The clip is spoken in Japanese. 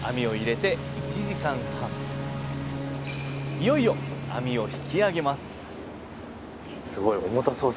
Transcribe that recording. いよいよ網を引きあげます！